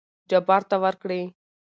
جبار ته ورکړې.